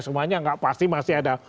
semuanya nggak pasti masih ada